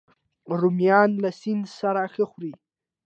رومیان له سیند سره ښه خوري